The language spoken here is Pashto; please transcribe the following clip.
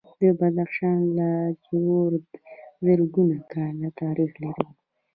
د بدخشان لاجورد زرګونه کاله تاریخ لري